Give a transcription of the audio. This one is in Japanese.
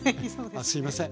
すいません。